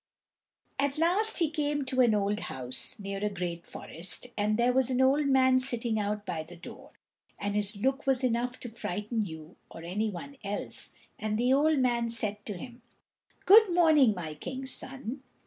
At last he came to an old house, near a great forest, and there was an old man sitting out by the door, and his look was enough to frighten you or any one else; and the old man said to him: "Good morning, my king's son."